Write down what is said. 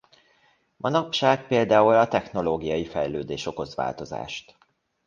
Manapság például a technológiai fejlődés okoz változást.